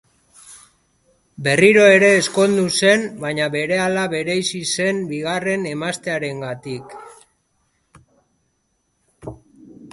Berriro ere ezkondu zen, baina berehala bereizi zen bigarren emaztearengandik.